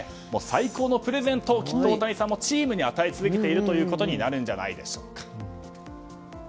最高のプレゼントを大谷さんもチームに与え続けていることになるんじゃないでしょうか。